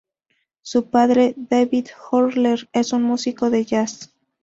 Su padre, "David Horler" es un músico de jazz.